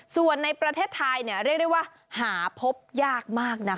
ส่วนในประเทศไทยเรียกได้ว่าหาพบยากมากนะคะ